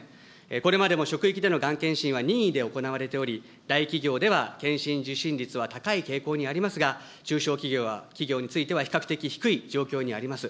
これまでも職域でのがん検診は任意で行われており、大企業では検診受診率は高い傾向にありますが、中小企業については比較的低い状況にあります。